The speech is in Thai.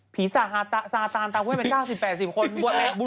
ผีสาธารตาลทางคู่แม่มี๙๘๑๐คน